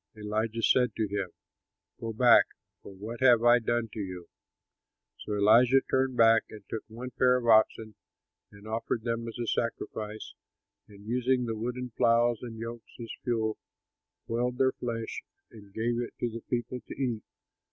Elijah said to him, "Go back, for what have I done to you?" So Elisha turned back and took one pair of oxen and offered them as a sacrifice and, using the wooden ploughs and yokes as fuel, boiled their flesh, and gave it to the people to eat.